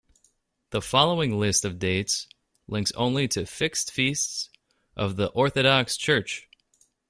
The following list of dates links only to fixed feasts of the Orthodox Church.